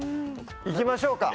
いきましょうか。